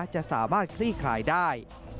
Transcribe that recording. จะสามารถคลี่คลายได้